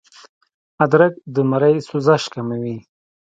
ادرک د مرۍ سوزش کموي